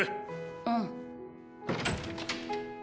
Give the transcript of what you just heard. うん。